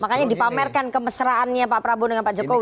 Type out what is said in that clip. makanya dipamerkan kemesraannya pak prabowo dengan pak jokowi